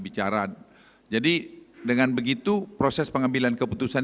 bicara jadi dengan begitu proses pengambilan keputusan